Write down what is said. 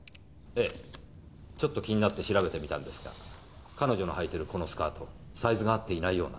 ええちょっと気になって調べてみたんですが彼女の履いてるこのスカートサイズが合っていないようです。